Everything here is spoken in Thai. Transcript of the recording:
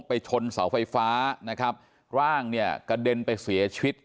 ไปชนเสาไฟฟ้านะครับร่างเนี่ยกระเด็นไปเสียชีวิต